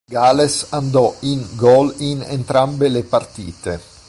Gales andò in gol in entrambe le partite.